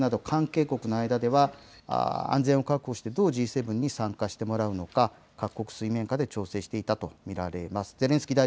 日本を含めてフランスなど関係国の間では、安全を確保して、どうＧ７に参加してもらうのか、各国水面下で調整していたと見られます。